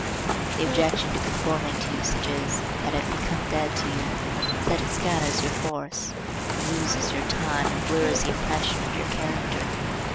The objection to conforming to usages that have become dead to you is that it scatters your force. It loses your time and blurs the impression of your character.